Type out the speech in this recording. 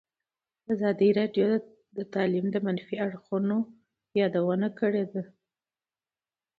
ازادي راډیو د تعلیم د منفي اړخونو یادونه کړې.